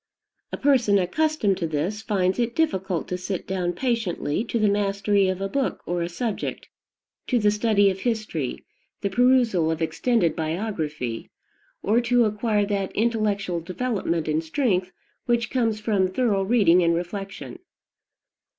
A person accustomed to this finds it difficult to sit down patiently to the mastery of a book or a subject, to the study of history, the perusal of extended biography, or to acquire that intellectual development and strength which comes from thorough reading and reflection.